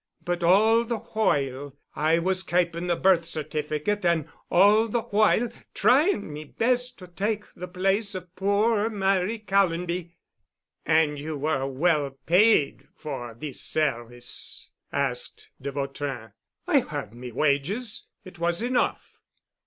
But all the whoile I was kapin' the birth certificate an' all the whoile tryin' me best to take the place of poor Mary Callonby." "And you were well paid for this service?" asked de Vautrin. "I had me wages. It was enough."